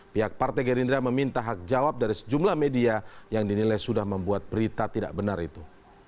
pihak partai gerindra meminta hak jawab dari sejumlah media yang dinilai sudah membuat berita tidak benar itu